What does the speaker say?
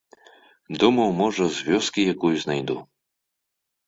Думаў, можа, з вёскі якую знайду.